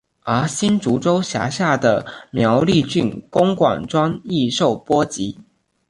而新竹州辖下的苗栗郡公馆庄亦受波及。